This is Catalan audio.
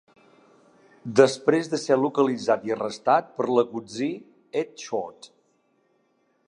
Després de ser localitzat i arrestat per l'algutzir Ed Short.